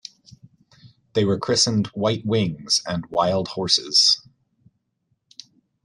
They were christened "White Wings" and "Wild Horses".